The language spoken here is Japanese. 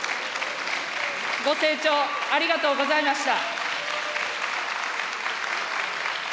ご清聴、ありがとうございました。